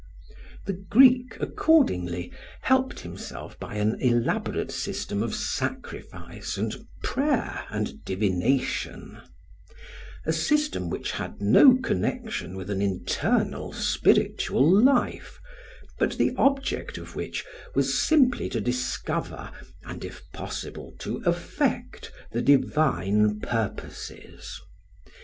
The Greek, accordingly, helped himself by an elaborate system of sacrifice and prayer and divination, a system which had no connection with an internal spiritual life, but the object of which was simply to discover and if possible to affect the divine purposes.